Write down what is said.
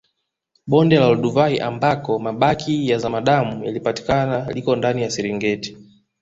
Bonde la Olduvai ambako mabaki ya zamadamu yalipatikana liko ndani ya Serengeti